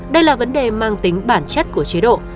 đây là vấn đề mang tính bản chất của chế độ